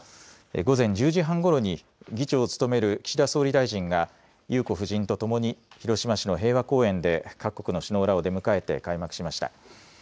午前１０時半ごろに議長を務める岸田総理大臣が裕子夫人とともに広島市の平和公園で各国の首脳らを出迎えて開幕しました。